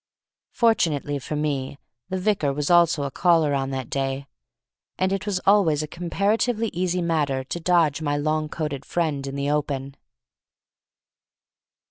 Fortunately for me, the vicar was also a caller on that day; and it was always a comparatively easy matter to dodge my long coated friend in the open.